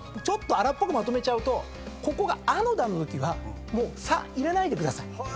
ちょっと粗っぽくまとめちゃうとここがアの段のときはもう「さ」入れないでください。